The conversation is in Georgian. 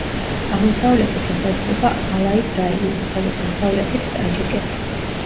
აღმოსავლეთით ესაზღვრება ალაის რაიონს, ხოლო დასავლეთით ტაჯიკეთს.